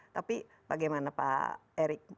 tapi bagaimana pak erick